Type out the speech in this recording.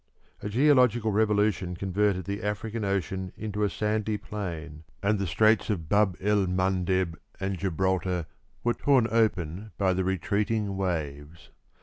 A geological revolution converted the African ocean into a sandy plain, and the straits of Bab el Mandeb and Gibraltar were torn open by the retreating waves.